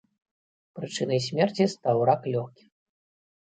Прычынай смерці стаў рак лёгкіх.